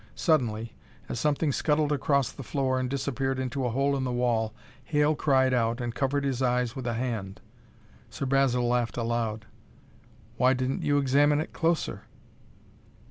Suddenly, as something scuttled across the floor and disappeared into a hole in the wall, Hale cried out and covered his eyes with a hand. Sir Basil laughed aloud. "Why didn't you examine it closer?"